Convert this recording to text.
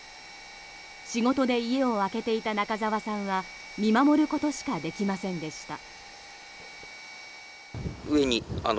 仕事で家を空けていた中澤さんは見守ることしかできませんでした。